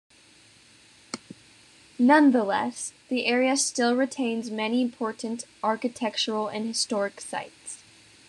Nonetheless, the area still retains many important architectural and historic sites.